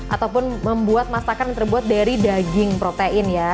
ataupun membuat masakan yang terbuat dari daging protein ya